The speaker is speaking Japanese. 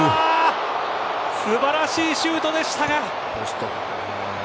素晴らしいシュートでしたが。